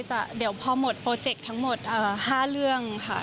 เดี๋ยวพอหมดโปรเจกต์ทั้งหมด๕เรื่องค่ะ